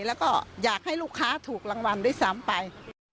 แล้วก็อยากให้ลูกค้าถูกรางวัลด้วยซ้ำไป